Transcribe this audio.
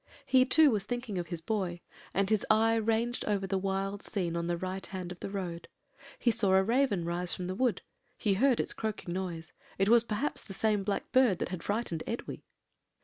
He, too, was thinking of his boy, and his eye ranged over the wild scene on the right hand of the road. He saw a raven rise from the wood he heard its croaking noise it was perhaps the same black bird that had frightened Edwy.